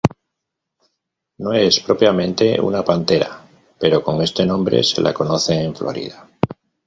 No es propiamente una pantera pero con este nombre se la conoce en Florida.